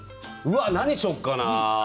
何にしようかな。